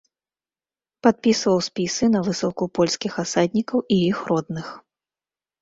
Падпісваў спісы на высылку польскіх асаднікаў і іх родных.